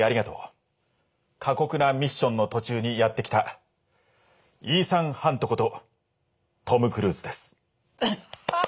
過酷なミッションの途中にやって来たイーサン・ハントことトム・クルーズです」。